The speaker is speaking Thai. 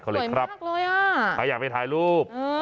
สวยมากเลยอ่ะใครอยากไปถ่ายรูป